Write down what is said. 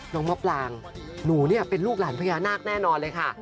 น้องมพลางหนูเป็นลูกหลานพระยานาคแน่นอนเลยค่ะ